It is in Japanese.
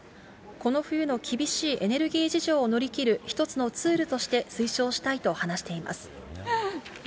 この冬の厳しいエネルギー事情を乗り切る１つのツールとして推奨したいと話しています。